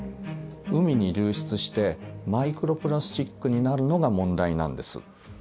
海に流出してマイクロプラスチックになるのが問題なんです。